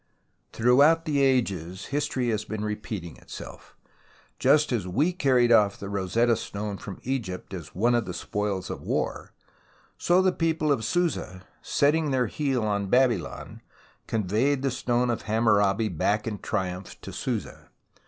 Throughout the ages history has been repeating itself. Just as we carried off the Rosetta Stone from Egypt as one of the spoils of war, so the people of Susa, setting their heel on Babylon, conveyed the stone of Hammurabi back in triumph to Susa.